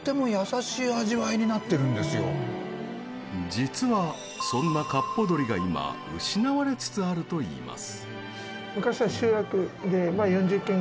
実は、そんな、かっぽ鶏が今、失われつつあるといいます。